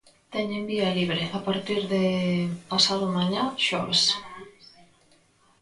Teñen vía libre a partir de pasado mañá, xoves.